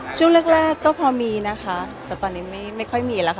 ช่วงแรกก็พอมีนะคะแต่ตอนนี้ไม่ค่อยมีแล้วค่ะ